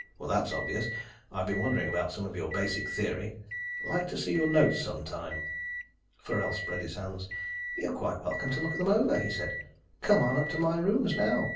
"That's obvious. I've been wondering about some of your basic theory. Like to see your notes some time." Forell spread his hands. "You're quite welcome to look them over," he said. "Come on up to my rooms now."